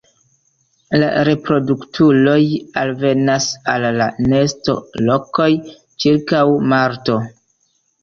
La reproduktuloj alvenas al la nestolokoj ĉirkaŭ marto.